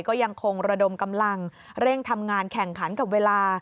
ก็ยังคงระดมกำลังเร่งทำงานแข่งขันกับเวลา